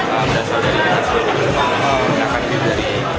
berdasarkan kemampuan makanan kita